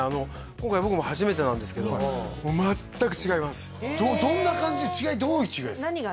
今回僕も初めてなんですけどどんな感じで違いどういう違いですか？